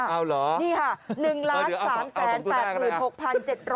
เอาเหรอเอาตัวแรกนะครับนี่ค่ะ๑๓๘๖๗๖๙